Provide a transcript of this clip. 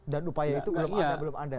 dan upaya itu belum ada belum ada iya